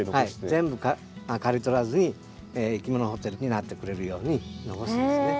全部刈り取らずにいきものホテルになってくれるように残すんですね。